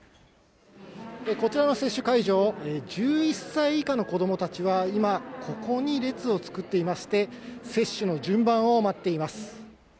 こちらの接種会場、１１歳以下の子供たちは今ここに列を作っていまして、接種の順番を待っています。